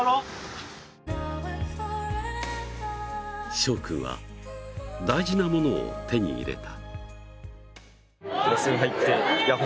しょう君は大事なものを手に入れた。